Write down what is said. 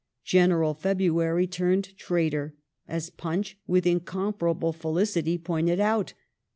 " General February turned traitor," as Punch with incomparable felicity pointed out.